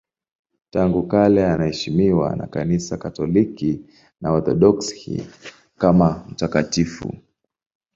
Tangu kale anaheshimiwa na Kanisa Katoliki na Waorthodoksi kama mtakatifu.